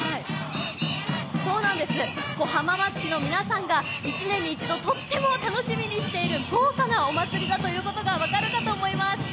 そうなんです、浜松市の皆さんが１年に一度とっても楽しみにしている豪華なお祭りだということが分かるかと思われます。